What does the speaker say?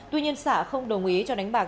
tuy nhiên sạ không đồng ý cho đánh bạc